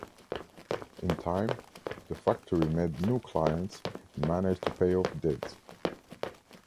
In time, the factory made new clients and managed to pay off debts.